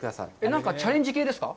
なんかチャレンジ系ですか？